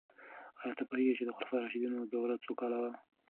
آیا ته پوهیږې چې د خلفای راشدینو دوره څو کاله وه؟